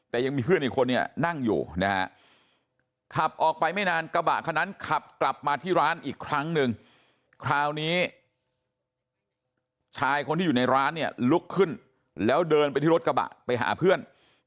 แต่ยังมีเพื่อนอีกคนเนี่ยนั่งอยู่นะฮะขับออกไปไม่นานกระบะคนนั้นขับกลับมาที่ร้านอีกครั้งนึงคราวนี้ชายคนที่อยู่ในร้านเนี่ยลุกขึ้นแล้วเดินไปที่รถกระบะไปหาเพื่อน